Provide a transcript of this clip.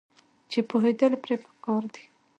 چې پوهیدل پرې پکار دي.